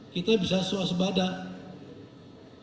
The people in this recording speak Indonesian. kita bisa sewas badan